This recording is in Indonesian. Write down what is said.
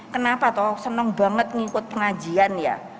kenapa tuh senang banget mengikuti pengajian ya